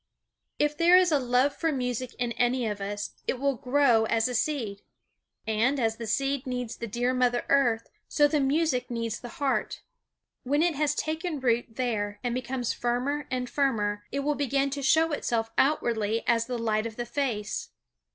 If there is a love for music in any of us it will grow as a seed. And as the seed needs the dear mother earth, so the music needs the heart. When it has taken root there and becomes firmer and firmer it will begin to show itself outwardly as the light of the face.